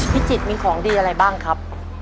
พิจิตรมีของดีอะไรบ้างครับ